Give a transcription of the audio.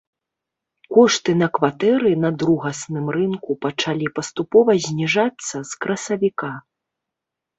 Кошты на кватэры на другасным рынку пачалі паступова зніжацца з красавіка.